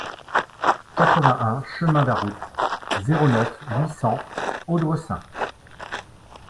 quatre-vingt-un chemin d'Arrout, zéro neuf, huit cents, Audressein